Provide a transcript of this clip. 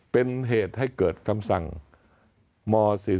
เป็นเหตุให้เกิดคำสั่งม๔๔